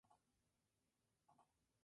Actualmente asiste a la Harvard University.